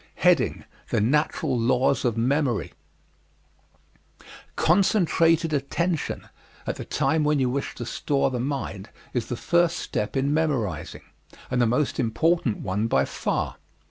The Natural Laws of Memory Concentrated attention at the time when you wish to store the mind is the first step in memorizing and the most important one by far.